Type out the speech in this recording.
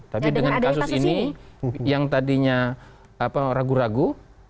tapi dengan kasus ini yang tadinya ragu ragu